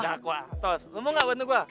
dakwah tos lo mau gak bantu gue